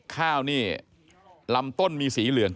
ข้าวนี่ลำต้นมีสีเหลือง